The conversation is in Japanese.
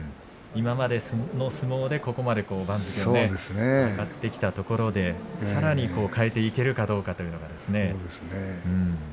今までの相撲でここまで番付上がってきたところでさらに変えていけるかどうかということですね。